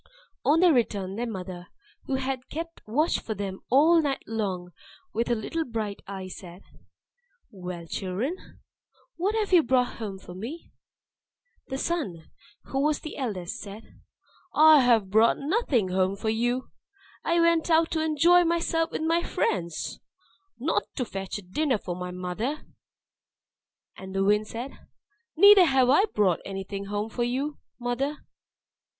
On their return, their mother, who had kept watch for them all night long with her little bright eye, said, "Well, children, what have you brought home for me?" Then Sun (who was eldest) said, "I have brought nothing home for you. I went out to enjoy myself with my friends not to fetch a dinner for my mother!" And Wind said, "Neither have I brought anything home for you, mother.